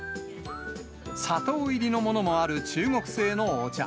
砂糖入りのものもある中国製のお茶。